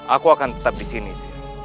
aku akan tetap disini sir